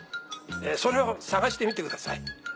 それを探してみてください。